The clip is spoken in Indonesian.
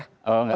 oh nggak begitu